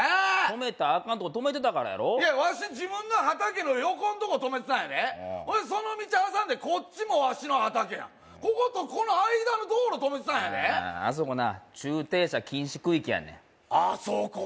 止めたアカンとこ止めてたからやろいやわし自分の畑の横んとこ止めてたんやでその道挟んでこっちもわしの畑やこことこの間の道路止めてたんやであそこな駐停車禁止区域やねんあそこ？